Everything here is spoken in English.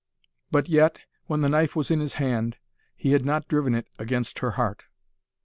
But yet, when the knife was in his hand, he had not driven it against her heart.